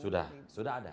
sudah sudah ada